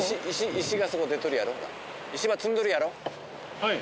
石ば積んどるやろ。